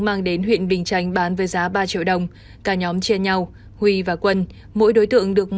mang đến huyện bình chánh bán với giá ba triệu đồng cả nhóm chia nhau huy và quân mỗi đối tượng được